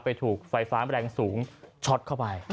ถูกไฟฟ้าแรงสูงช็อตเข้าไป